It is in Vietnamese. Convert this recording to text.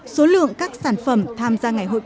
số lượng các sản phẩm tham gia ngày hội công nghệ